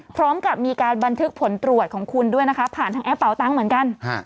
พร้อมกับมีการบันทึกผลตรวจของคุณด้วยนะคะผ่านทางแอปเป่าตังค์เหมือนกัน